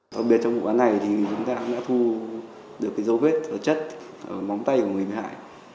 đặc biệt trong vụ án này thì chúng ta cũng đã thu được dấu vết chất ở móng tay của người bị hại